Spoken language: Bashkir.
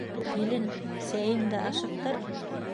— Килен, сәйеңде ашыҡтыр.